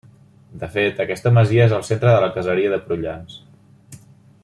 De fet, aquesta masia és el centre de la caseria de Prullans.